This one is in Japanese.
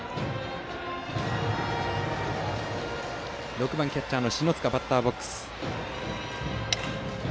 ６番キャッチャーの篠塚がバッターボックス。